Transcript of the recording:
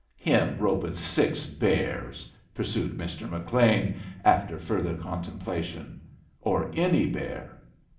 "Him roping six bears!" pursued Mr. McLean, after further contemplation. "Or any bear.